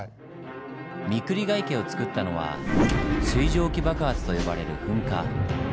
ミクリガ池をつくったのは「水蒸気爆発」と呼ばれる噴火。